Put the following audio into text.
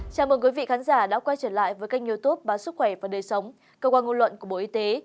chào mừng quý vị khán giả đã quay trở lại với kênh youtube báo sức khỏe và đời sống cơ quan ngôn luận của bộ y tế